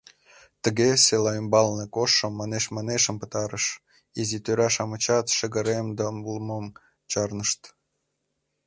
Тыге села ӱмбалне коштшо манеш-манешым пытарыш, изи тӧра-шамычат шыгыремдылмым чарнышт.